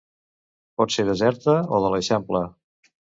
Pot ser deserta o de l'Eixample.